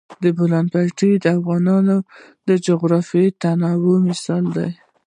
د بولان پټي د افغانستان د جغرافیوي تنوع مثال دی.